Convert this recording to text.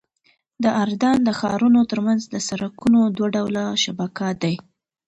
د اردن د ښارونو ترمنځ د سړکونو دوه ډوله شبکه ده.